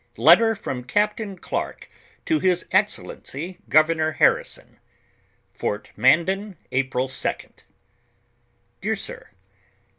LETTER FROM CAP! AI\ CLARKE TO HIS EX CELLENCY GOVERNOR ITAKRISOX. Fort Mandan, April 2d, "Dear Sir, "By t.h?